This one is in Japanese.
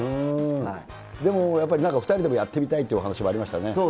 でもやっぱり、なんか２人でもやってみたいっていうお話もありましたね。